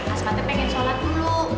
asmatnya pengen sholat dulu